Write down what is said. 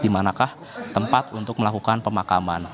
dimanakah tempat untuk melakukan pemakaman